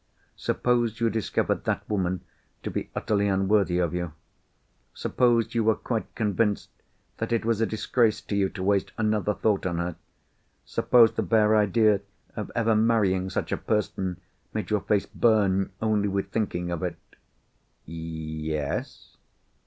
"Suppose you discovered that woman to be utterly unworthy of you? Suppose you were quite convinced that it was a disgrace to you to waste another thought on her? Suppose the bare idea of ever marrying such a person made your face burn, only with thinking of it." "Yes?"